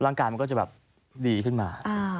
เออร่างกายมันก็จะดีขึ้นมา